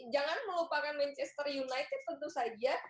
jangan melupakan manchester united tentu saja